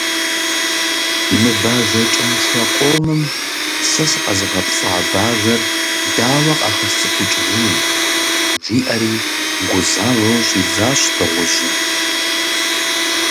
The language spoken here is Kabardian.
«Мы бажэ кӀэншэ къомым сэ сыкъэзыгъэпцӀа бажэр дауэ къахэсцӀыхукӀыжыну», – жиӀэри гузавэу щӀидзащ дыгъужьым.